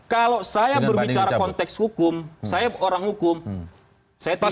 kalau saya berbicara konteks hukum saya orang hukum saya tahu